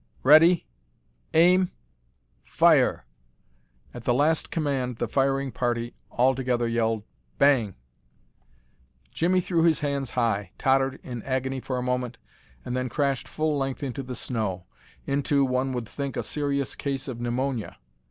Ready! Aim! Fire!" At the last command the firing party all together yelled, "Bang!" Jimmie threw his hands high, tottered in agony for a moment, and then crashed full length into the snow into, one would think, a serious case of pneumonia.